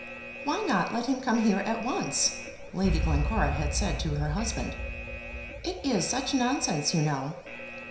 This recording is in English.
"Why not let him come here at once?" Lady Glencora had said to her husband. "It is such nonsense, you know."